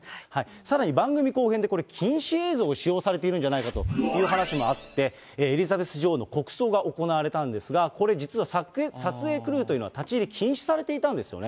さらに番組後編で、これ、禁止映像を使用されているんじゃないかという話もあって、エリザベス女王の国葬が行われたんですが、これ、実は撮影クルーというのは立ち入り禁止されていたんですよね。